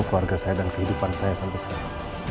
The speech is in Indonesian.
keluarga saya dan kehidupan saya sampai sekarang